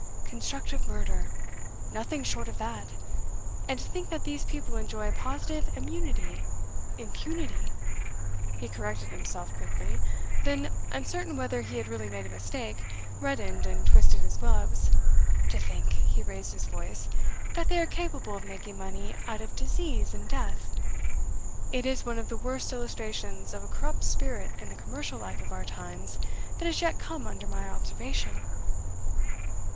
'Constructive murder nothing short of that. And to think that these people enjoy a positive immunity impunity.' He corrected himself quickly; then, uncertain whether he had really made a mistake, reddened and twisted his gloves. 'To think' he raised his voice 'that they are capable of making money out of disease and death! It is one of the worst illustrations of a corrupt spirit in the commercial life of our times that has yet come under my observation.